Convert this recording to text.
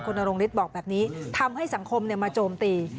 นรงฤทธิ์บอกแบบนี้ทำให้สังคมมาโจมตี